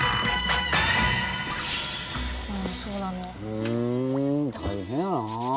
ふん大変やなあ。